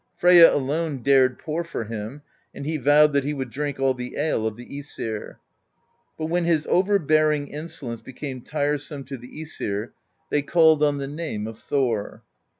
Freyja alone dared pour for him; and he vowed that he would drink all the ale of the iEsir. But when his overbearing insolence became tire some to the ^Esir, they called on the name of Thor.